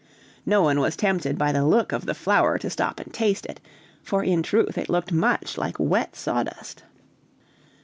No one was tempted by the look of the flour to stop and taste it, for in truth it looked much like wet sawdust.